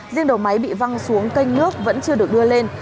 riêng đầu máy bị văng xuống canh nước vẫn chưa được đưa lên